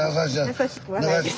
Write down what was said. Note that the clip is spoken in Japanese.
優しくはないです。